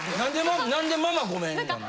なんで「ママごめん」なの？